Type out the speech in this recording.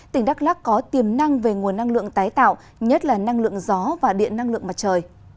tỉnh đắk lắc có tiềm năng về nguồn năng lượng tái tạo nhất là năng lượng gió và điện năng lượng mặt trời